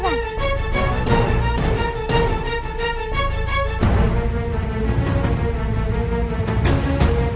bawa ke dokter ayo ke rumah sakit